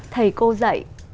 thầy cô dạy